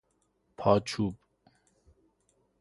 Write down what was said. پاچوب